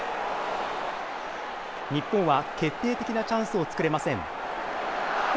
日本は決定的なチャンスを作れません。